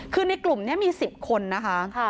คือในกลุ่มนี้มี๑๐คนนะคะ